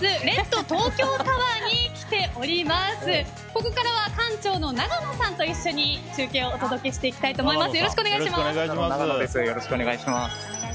ここからは館長の長野さんと一緒に中継をお届けしていきたいと思います。